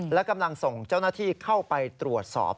และกำลังส่งเจ้าหน้าที่เข้าไปตรวจสอบ